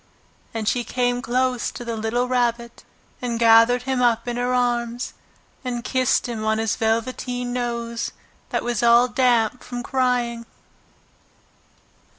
And she came close to the little Rabbit and gathered him up in her arms and kissed him on his velveteen nose that was all damp from crying.